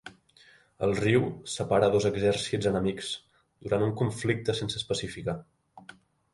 El riu separa dos exèrcits enemics durant un conflicte sense especificar.